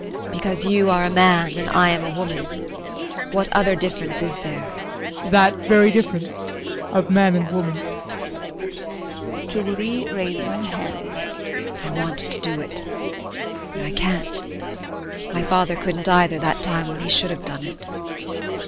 JULIE. Because you are a man and I am a woman? What other difference is there? JEAN. That very difference of man and woman. JULIE [Razor in hand]. I want to do it but I can't. My father couldn't either that time when he should have done it.